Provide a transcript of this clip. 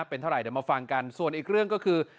เป็นเท่าไหร่เดี๋ยวมาฟังกันส่วนอีกเรื่องก็คือ